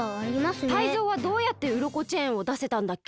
タイゾウはどうやってウロコチェーンをだせたんだっけ？